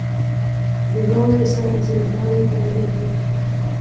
• د واورې سره ځینې لارې بندېږي.